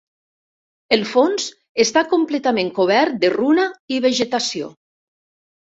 El fons està completament cobert de runa i vegetació.